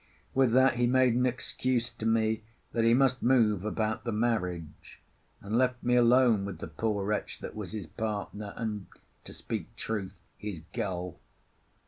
With that he made an excuse to me that he must move about the marriage, and left me alone with the poor wretch that was his partner and (to speak truth) his gull.